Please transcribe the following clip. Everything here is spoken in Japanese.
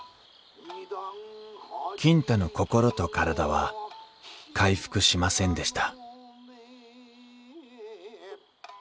金太の心と体は回復しませんでした